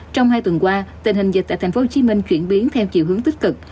trong hai tuần qua tình hình dịch tại tp hcm chuyển biến theo chiều hướng tích cực